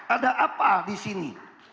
ada apa disini